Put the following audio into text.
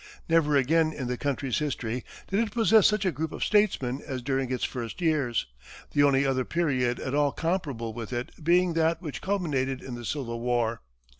Never again in the country's history did it possess such a group of statesmen as during its first years, the only other period at all comparable with it being that which culminated in the Civil War.